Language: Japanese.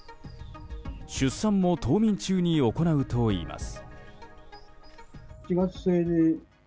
出産も冬眠中に行うといいます。